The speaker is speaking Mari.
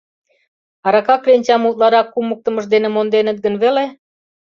Арака кленчам утларак кумыктымышт дене монденыт гын веле.